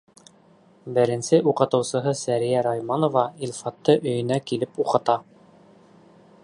Беренсе уҡытыусыһы Сәриә Райманова Илфатты өйөнә килеп уҡыта.